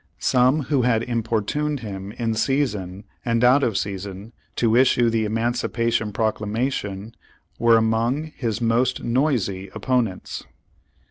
Some who had im portuned him in season and out of season to issue the Emancipation Proclamation were among his most noisy opponents.